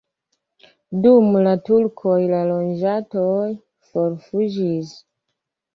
Dum la turkoj la loĝantoj forfuĝis.